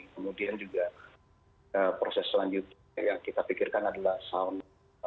kemudian juga proses selanjutnya yang kita pikirkan adalah sound